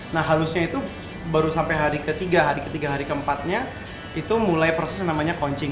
nah halusnya itu baru sampai hari ke tiga hari ke tiga hari ke empat nya itu mulai proses namanya koncing